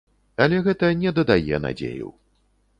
Але гэта не дадае надзею.